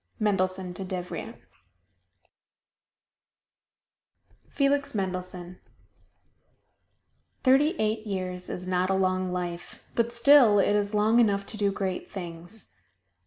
Mendelssohn to Devrient FELIX MENDELSSOHN Thirty eight years is not a long life, but still it is long enough to do great things.